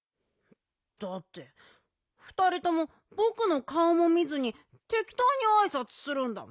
だってふたりともぼくのかおも見ずにてきとうにあいさつするんだもん。